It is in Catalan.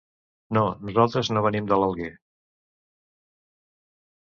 No, nosaltres no venim de l'Alguer.